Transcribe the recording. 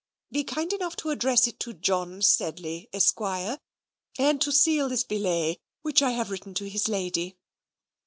Be kind enough to address it to John Sedley, Esquire, and to seal this billet which I have written to his lady."